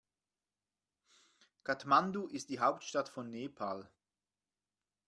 Kathmandu ist die Hauptstadt von Nepal.